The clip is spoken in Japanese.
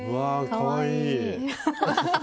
かわいい！